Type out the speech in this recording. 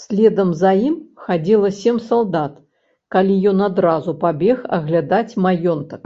Следам за ім хадзіла сем салдат, калі ён адразу пабег аглядаць маёнтак.